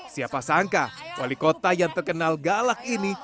siapa sangka wali kota yang terkenal galak ini